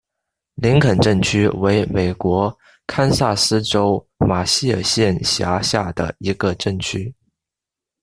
林肯镇区为美国堪萨斯州马歇尔县辖下的镇区。